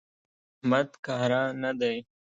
احمد کاره نه دی.